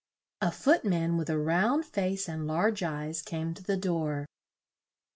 A foot man with a round face and large eyes, came to the door.